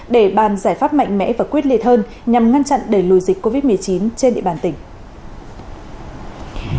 để bàn giải pháp mạnh mẽ và quyết liệt hơn nhằm ngăn chặn đẩy lùi dịch covid một mươi chín trên địa bàn tỉnh